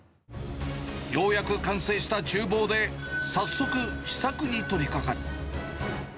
ようやく完成したちゅう房で、早速、試作に取りかかる。